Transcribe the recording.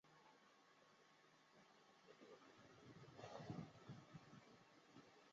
展馆中还展出了珍藏于希伯来大学的爱因斯坦相对论手稿。